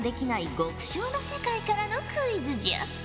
極小の世界からのクイズじゃ。